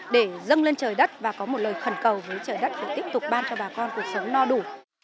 để dâng lên trời đất và có một lời khẩn cầu với trời đất để tiếp tục ban cho bà con cuộc sống no đủ